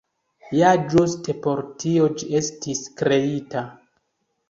Ja ĝuste por tio ĝi estis kreita.